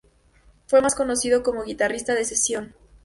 Fue más conocido como guitarrista de sesión.